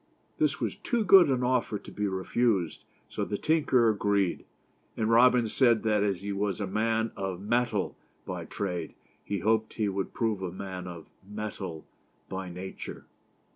This was too good an offer to be refused, so the tinker agreed, and Robin said that as he was a man of 7netal by trade, he hoped he would prove a man of mettle by nature.